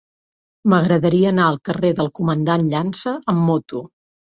M'agradaria anar al carrer del Comandant Llança amb moto.